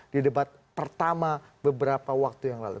di debat pertama beberapa waktu yang lalu